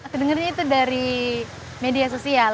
kedengernya itu dari media sosial